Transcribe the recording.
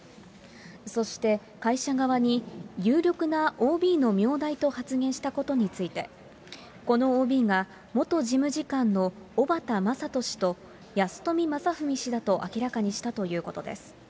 そして、会社側に有力なＯＢの名代と発言したことについて、このＯＢが、元事務次官の小幡まさとしとやすとみまさふみ氏だと明らかにしたということです。